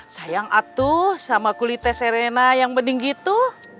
sayang atuh sama kulitnya serena yang beding gitu